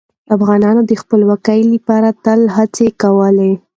افغانان د خپلواکۍ لپاره تل هڅه کوله.